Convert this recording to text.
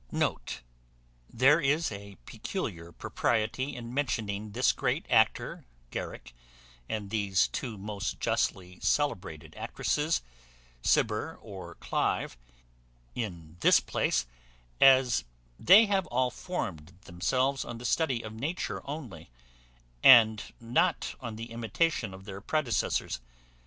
[*] There is a peculiar propriety in mentioning this great actor, and these two most justly celebrated actresses, in this place, as they have all formed themselves on the study of nature only, and not on the imitation of their predecessors.